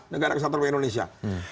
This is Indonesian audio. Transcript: negara kesatuan reblek indonesia